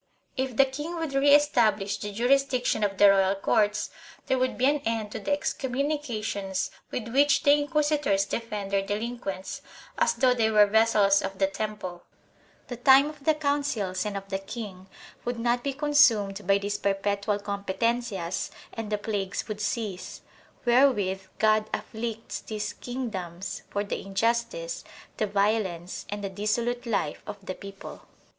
If the king would re establish the jurisdiction of the royal courts there would be an end to the excommunications with which the inquisitors defend their delinquents, as though they were vessels of the Temple; the time of the Councils and of the king would not be consumed by these perpetual competencias and the plagues would cease wherewith God afflicts these kingdoms for the injustice, the violence and the dissolute life of the people.